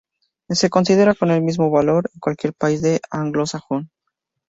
Se considera con el mismo valor en cualquier país anglosajón.